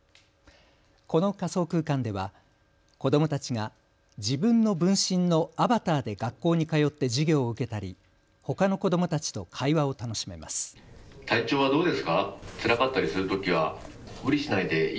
この仮想空間では子どもたちが自分の分身のアバターで学校に通って授業を受けたり、ほかの子どもたちと会話を楽しめます。